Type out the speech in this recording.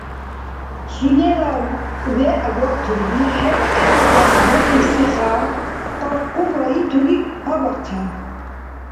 Сунела вегӀ ватурли хӀед гӀелабад бакӀибси хя къаркъуба итули гьабяхъя.